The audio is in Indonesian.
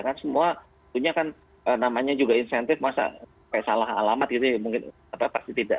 kan semua punya kan namanya juga insentif masa kayak salah alamat gitu ya mungkin pasti tidak